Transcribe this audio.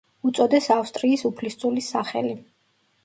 უწოდეს ავსტრიის უფლისწულის სახელი.